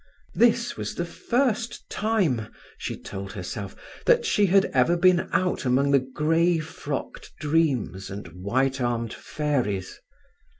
This was the first time, she told herself, that she had ever been out among the grey frocked dreams and white armed fairies.